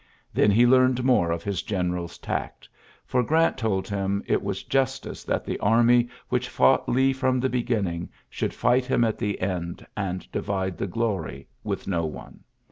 Then he leame< more of his general's tact, for Grant tol( him it was justice that the army whicl fought Lee from the beginning shovli fight him at the end and divide the gloc; with no one.